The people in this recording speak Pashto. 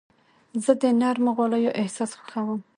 زه د نرمو غالیو احساس خوښوم.